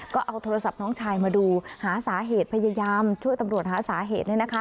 ก็เอาโทรศัพท์น้องชายมาดูหาสาเหตุพยายามช่วยตำรวจหาสาเหตุ